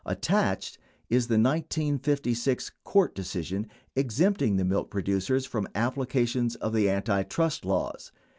Attached is the 1956 court decision exempting the milk producers from application of the antitrust laws.